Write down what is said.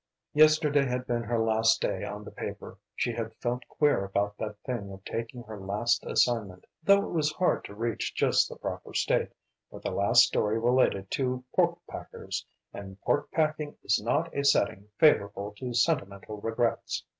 Yesterday had been her last day on the paper. She had felt queer about that thing of taking her last assignment, though it was hard to reach just the proper state, for the last story related to pork packers, and pork packing is not a setting favourable to sentimental regrets.